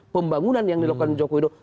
pembangunan yang dilakukan oleh joko widodo